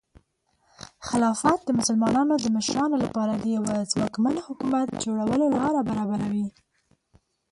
خلافت د مسلمانانو د مشرانو لپاره د یوه ځواکمن حکومت جوړولو لاره برابروي.